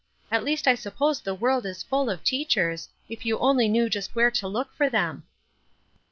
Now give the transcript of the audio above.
" At least I suppose the world is full of teachers, if you only knew just where to look for them."